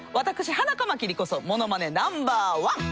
ハナカマキリこそモノマネナンバーワン！